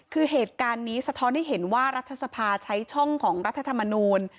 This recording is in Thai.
คือเหตุการณ์นี้สะท้อนให้เห็นว่ารัฐสภาใช้ช่องของรัฐธรรมนูล